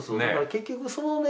結局そのね